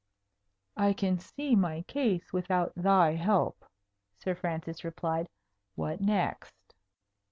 "I can see my case without thy help," Sir Francis replied. "What next?"